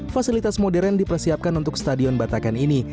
fasilitas modern dipersiapkan untuk stadion batakan ini